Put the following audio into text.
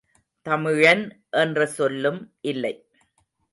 தமிழன் என்ற சொல்லும் இல்லை.